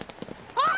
あっ！